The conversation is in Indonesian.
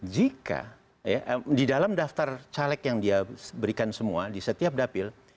jika di dalam daftar caleg yang dia berikan semua di setiap dapil